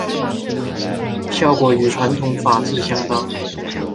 效果与传统制法相当。